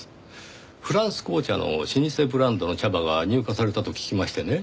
フランス紅茶の老舗ブランドの茶葉が入荷されたと聞きましてね